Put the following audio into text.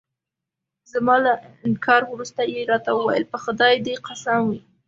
زما له انکار وروسته يې راته وویل: په خدای دې قسم وي.